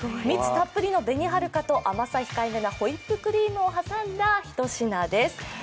蜜たっぷりのべにはるかと甘さ控えめなホイップクリームを挟んだ一品です。